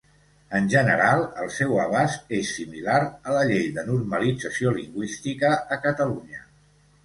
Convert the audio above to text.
En general, el seu abast és similar a la Llei de Normalització lingüística a Catalunya.